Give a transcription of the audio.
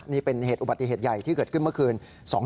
นี่เป็นเหตุอุบัติเหตุใหญ่ที่เกิดขึ้นเมื่อคืน